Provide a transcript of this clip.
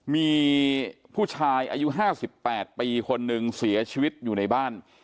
มีผู้ชายอายุ๕๘ปีคนหนึ่งเสียชีวิตอยู่ในบ้าน